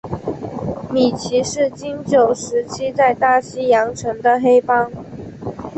米奇是禁酒时期在大西洋城的黑帮。